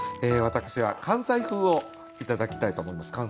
私は関西風をいただきたいと思います。